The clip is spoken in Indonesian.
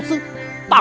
ini tidak baik